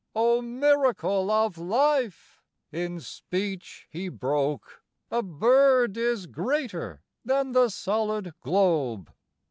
"O miracle of life," in speech he broke, "A bird is greater than the solid globe!"